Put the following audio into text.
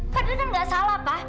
fadil kan gak salah pa